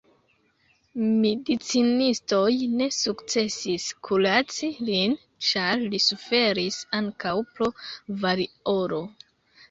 Medicinistoj ne sukcesis kuraci lin, ĉar li suferis ankaŭ pro variolo.